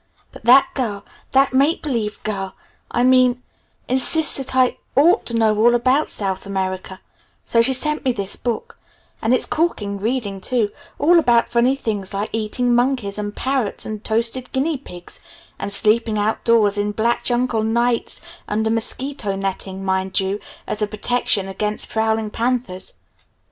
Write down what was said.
But that girl that make believe girl, I mean insists that I ought to know all about South America, so she sent me this book; and it's corking reading, too all about funny things like eating monkeys and parrots and toasted guinea pigs and sleeping outdoors in black jungle nights under mosquito netting, mind you, as a protection against prowling panthers.